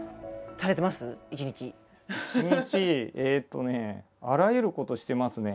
一日えっとねあらゆることしていますね。